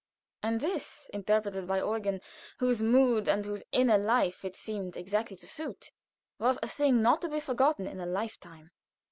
And this, interpreted by Eugen, whose mood and whose inner life it seemed exactly to suit, was a thing not to be forgotten in a life time.